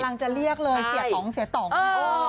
พอลังจะเรียกเลยเสียต่องเสียต่องใช่เออ